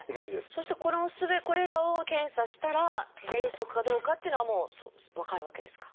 そしてこれらを検査したらぜんそくかどうかっていうのはもう分かるわけですか？